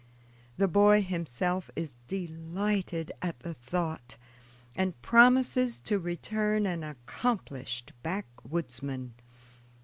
The boy himself is delighted at the thought, and promises to return an accomplished backwoodsman.